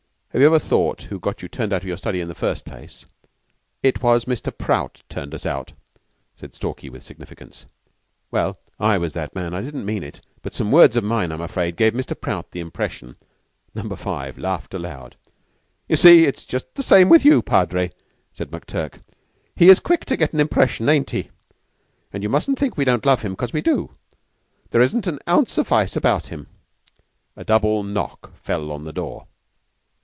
Have you ever thought who got you turned out of your study in the first place?" "It was Mr. Prout turned us out," said Stalky, with significance. "Well, I was that man. I didn't mean it; but some words of mine, I'm afraid, gave Mr. Prout the impression " Number Five laughed aloud. "You see it's just the same thing with you, Padre," said McTurk. "He is quick to get an impression, ain't he? But you mustn't think we don't love him, 'cause we do. There isn't an ounce of vice about him." A double knock fell on the door.